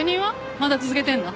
まだ続けてるの？